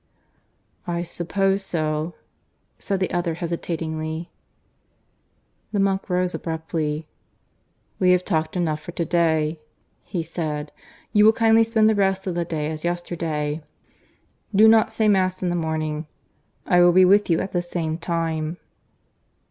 "I suppose so," said the other hesitatingly. The monk rose abruptly. "We have talked enough for to day," he said. "You will kindly spend the rest of the day as yesterday. Do not say Mass in the morning. I will be with you at the same time."